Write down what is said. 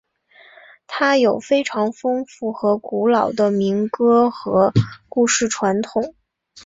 它有非常丰富和古老的民歌和故事传统。